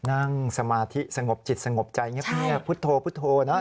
นั่งสมาธิสงบจิตสงบใจเงียบพุทธโธนะ